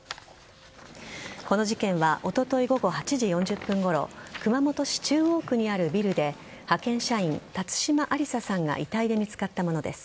この事件はおととい午後８時４０分ごろ熊本市中央区にあるビルで派遣社員辰島ありささんが遺体で見つかったものです。